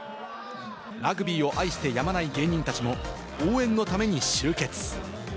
ラグビーを愛してやまない芸人たちも応援のために集結。